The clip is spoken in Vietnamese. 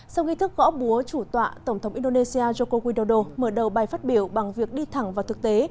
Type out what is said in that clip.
sau nghi thức gõ búa chủ tọa tổng thống indonesia joko widodo mở đầu bài phát biểu bằng việc đi thẳng vào thực tế